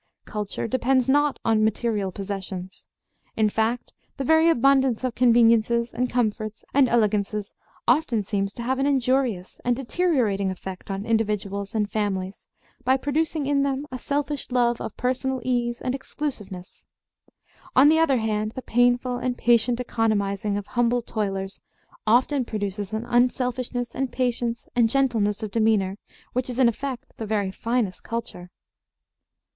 Culture depends not on material possessions. In fact, the very abundance of conveniences and comforts and elegances often seems to have an injurious and deteriorating effect on individuals and families by producing in them a selfish love of personal ease and exclusiveness. On the other hand, the painful and patient economizing of humble toilers often produces an unselfishness and patience and gentleness of demeanor which is in effect the very finest culture.